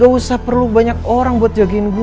gak usah perlu banyak orang buat jagain gue